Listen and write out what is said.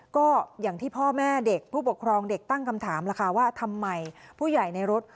ก็อย่างที่พ่อแม่เด็กผู้ปกครองเด็กตั้งคำถามล่ะค่ะว่าทำไมผู้ใหญ่ในรถ